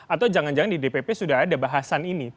atau jangan jangan di dpp sudah ada bahasan ini